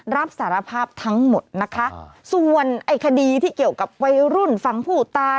รับสารภาพทั้งหมดนะคะส่วนไอ้คดีที่เกี่ยวกับวัยรุ่นฝั่งผู้ตาย